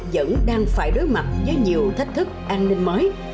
vẫn đang phải đối mặt với nhiều thách thức an ninh mới